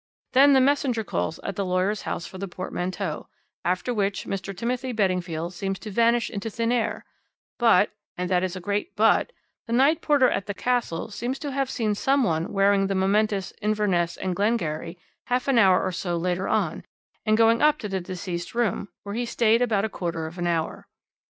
Then the messenger calls at the lawyer's house for the portmanteau, after which Mr. Timothy Beddingfield seems to vanish into thin air; but and that is a great 'but' the night porter at the 'Castle' seems to have seen some one wearing the momentous Inverness and Glengarry half an hour or so later on, and going up to deceased's room, where he stayed about a quarter of an hour.